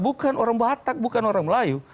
bukan orang batak bukan orang melayu